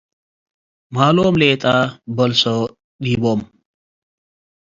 ማሎም ሌጠ በልሶ ዲቦም ።